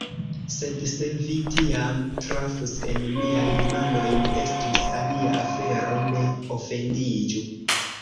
Sed se vi tiam trafus en miajn manojn, estus alia afero, ne ofendiĝu!